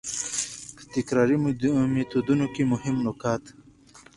په تکراري ميتود کي مهم نقاط: